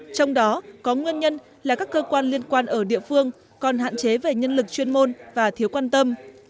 trong đó có nguyên nhân là các cơ quan liên quan ở địa phương còn hạn chế về nhân lực chuyên môn và thiếu quan tâm